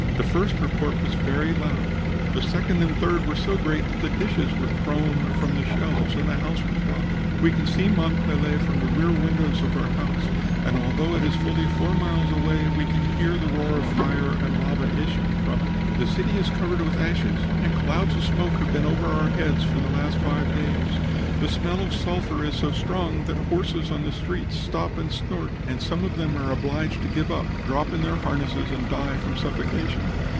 The first report was very loud, and the second and third were so great that dishes were thrown from the shelves and the house was rocked. "We can see Mont Pelee from the rear windows of our house, and although it is fully four miles away, we can hear the roar of the fire and lava issuing from it. "The city is covered with ashes and clouds of smoke have been over our heads for the last five days. The smell of sulphur is so strong that horses on the streets stop and snort, and some of them are obliged to give up, drop in their harness and die from suffocation.